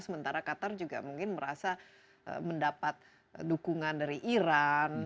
sementara qatar juga mungkin merasa mendapat dukungan dari iran